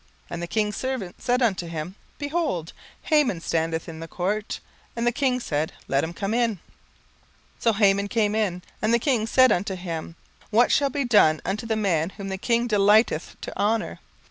17:006:005 And the king's servants said unto him, Behold, Haman standeth in the court. And the king said, Let him come in. 17:006:006 So Haman came in. And the king said unto him, What shall be done unto the man whom the king delighteth to honour?